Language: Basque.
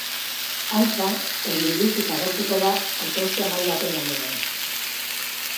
Antza, erdi biluzik agertuko da autopsia-mahai baten gainean.